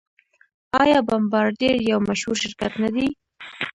آیا بمبارډیر یو مشهور شرکت نه دی؟